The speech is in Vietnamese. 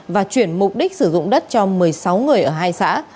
và chuyển mục đích sử dụng đất cho một mươi sáu người ở hai xã